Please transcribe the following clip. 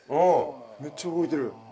めっちゃ動いてる。